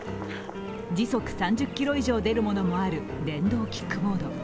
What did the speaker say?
時速３０キロ以上出るものもある電動キックボード。